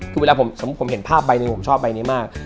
คือเวลาผมเห็นภาพใบหนึ่งผมชอบใบนี้มาก